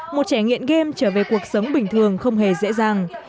một trẻ nghiện game trở về cuộc sống bình thường không hề dễ dàng